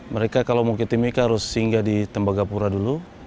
mereka kalau mau ke timika harus singgah di tembagapura dulu